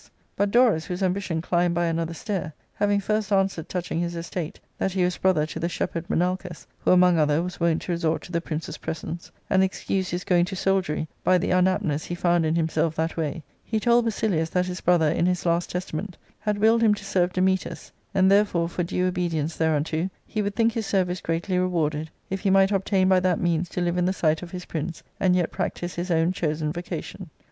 But Dorus, whose ambition climbed by another stair, having first answered touching his estate, that he was brother to the shepherd Menalcas, who among other was wont to resort to the prince's presence, and excused his going to soldiery by the unaptness he found in himself that way, he told Basilius that his brother in his last testament had willed him to serve Dametas, and, therefore for due obedience thereunto he would think his service greatly rewarded if he might obtain by that means to liye in the sight of his prince, and yet practise his; own chosen vocation.